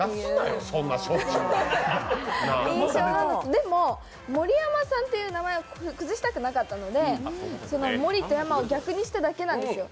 でも、盛山さんという名前を崩したくなかったので、盛と山を逆にしただけなんですよ。